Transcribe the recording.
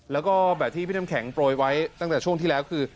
แล้วก็แบบที่พี่น้ำแข็งโปรยไว้ตั้งแต่ช่วงที่แล้วคือ